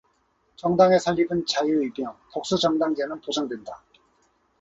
정당의 설립은 자유이며, 복수정당제는 보장된다.